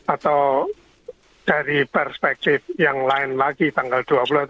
atau dari perspektif yang lain lagi tanggal dua puluh atau